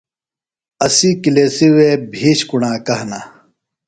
اسی کلیسیۡ وے بِھیش کُݨاکہ ہِنہ۔